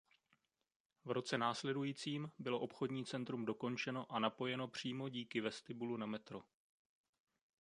V roce následujícím bylo obchodní centrum dokončeno a napojeno přímo díky vestibulu na metro.